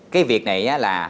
cái việc này là